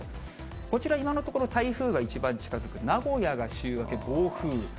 こちら、今のところ台風が一番近づく名古屋が週明け、暴風雨。